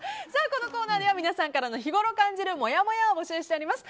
このコーナーでは皆さんからの日頃感じるもやもやを募集しています。